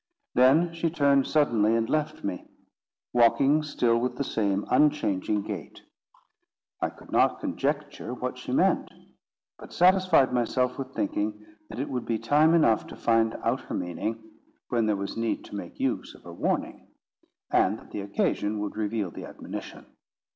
Then she turned suddenly and left me, walking still with the same unchanging gait. I could not conjecture what she meant, but satisfied myself with thinking that it would be time enough to find out her meaning when there was need to make use of her warning, and that the occasion would reveal the admonition.